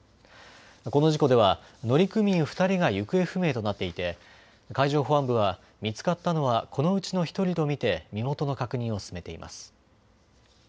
この事故では乗組員２人が行方不明となっていて海上保安部は見つかったのはこのうちの１人と見て身元の確認を進めています。